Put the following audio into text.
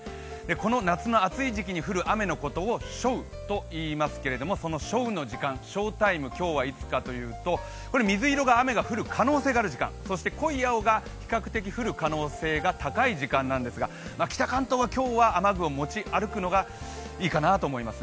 この夏の暑い時期に降る雨のことを暑雨といいますがその暑雨の時間今日いつかといいますと、水色が降る可能性がある時間、そして濃い青が比較的降る可能性が高い時間なんですが北関東は今日は雨具を持ち歩くのがいいかなと思います。